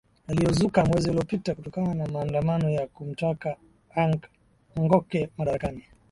yaliozuka mwezi uliopita kutokana na maandamano ya kumtaka ang oke madarakani